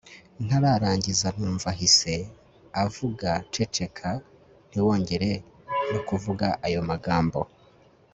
ntararangiza numva ahise avugceceka ntiwongere no kuvuga ayo magambo